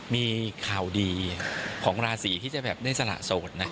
มีข่าวดีของราศีที่จะแบบได้สละโสดนะ